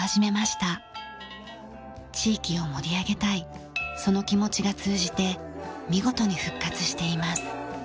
地域を盛り上げたいその気持ちが通じて見事に復活しています。